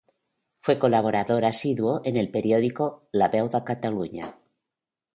Fue colaborador asiduo en el periódico "La Veu de Catalunya".